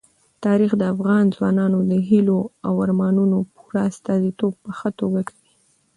تاریخ د افغان ځوانانو د هیلو او ارمانونو پوره استازیتوب په ښه توګه کوي.